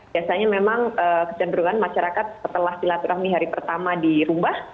biasanya memang kecenderungan masyarakat setelah silaturahmi hari pertama di rumah